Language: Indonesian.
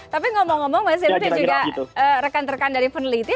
tapi ngomong ngomong mas heru dan juga rekan rekan dari peneliti